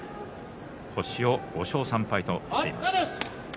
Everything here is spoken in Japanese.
星を５勝３敗としています。